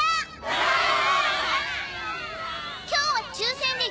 わあ！